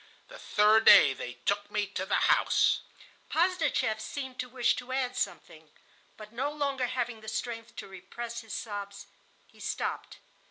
The third day they took me to the house." ... Posdnicheff seemed to wish to add something, but, no longer having the strength to repress his sobs, he stopped.